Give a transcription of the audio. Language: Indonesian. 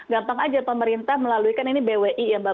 gampang aja pemerintah melalui kan ini bwi ya mbak